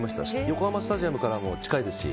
横浜スタジアムからも近いですし。